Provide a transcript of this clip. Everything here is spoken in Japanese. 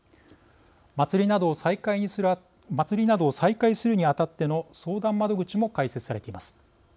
祭りなどを再開するにあたっての相談窓口も開設されています。